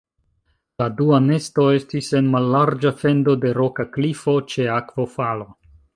La dua nesto estis en mallarĝa fendo de roka klifo ĉe akvofalo.